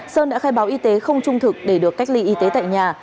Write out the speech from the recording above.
sơn đã khai báo y tế không trung thực để được cách ly y tế tại nhà